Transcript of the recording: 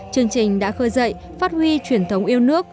chương trình đã khơi dậy phát huy truyền thống yêu nước